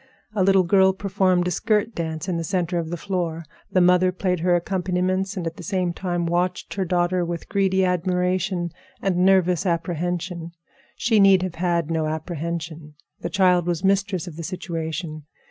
A little girl performed a skirt dance in the center of the floor. The mother played her accompaniments and at the same time watched her daughter with greedy admiration and nervous apprehension. She need have had no apprehension. The child was mistress of the situation.